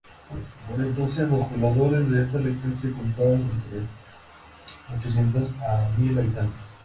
Por entonces, los pobladores de esta región se contaban entre ochocientos a mil habitantes.